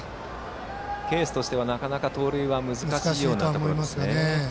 ケースとしては、なかなか盗塁は難しいようなところですね。